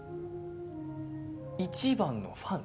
一番のファン？